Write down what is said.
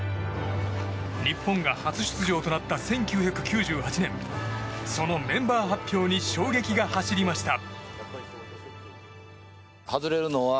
日本が初出場となった１９９８年そのメンバー発表に衝撃が走りました。